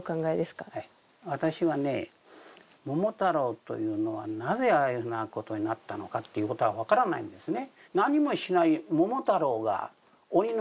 私はね桃太郎というのはなぜああいう風な事になったのかっていう事はわからないんですね。